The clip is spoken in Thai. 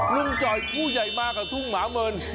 ลุงจอยผู้ใหญ่มากกว่าทุ่งหมาเมิน